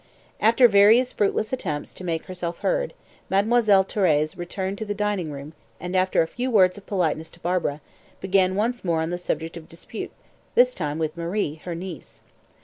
After various fruitless attempts to make herself heard, Mademoiselle Thérèse returned to the dining room, and after a few words of politeness to Barbara, began once more on the subject of dispute, this time with Marie, her niece.